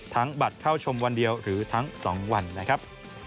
บัตรเข้าชมวันเดียวหรือทั้ง๒วันนะครับ